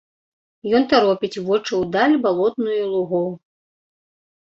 Ён таропіць вочы ў даль балотную лугоў.